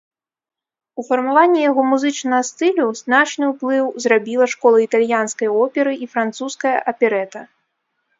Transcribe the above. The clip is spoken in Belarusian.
У фармаванні яго музычнага стылю значны ўплыў зрабіла школа італьянскай оперы і французская аперэта.